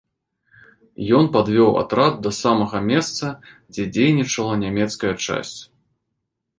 Ён падвёў атрад да самага месца, дзе дзейнічала нямецкая часць.